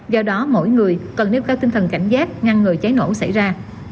do đó mỗi người cần nếp các tinh thần cảnh giác ngăn người cháy nổ xảy ra